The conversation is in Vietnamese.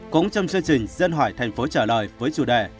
cũng trong chương trình dân hỏi thành phố trả lời với chủ đề